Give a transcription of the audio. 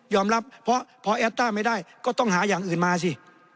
รับเพราะพอแอดต้าไม่ได้ก็ต้องหาอย่างอื่นมาสิ